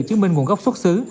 chứng minh nguồn gốc xuất xứ